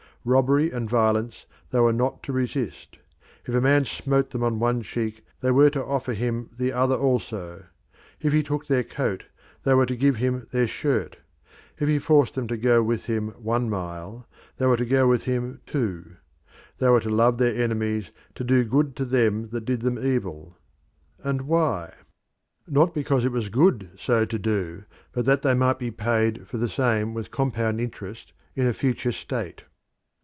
Robbery and violence they were not to resist. If a man smote them on one cheek they were to offer him the other also; if he took their coat they were to give him their shirt; if he forced them to go with him one mile they were to go with him two. They were to love their enemies, to do good to them that did them evil. And why? Not because it was good so to do, but that they might be paid for the same with compound interest in a future state.